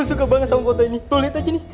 saya sangat suka dengan kota ini